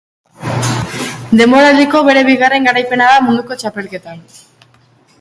Denboraldiko bere bigarren garaipena da munduko txapelketan.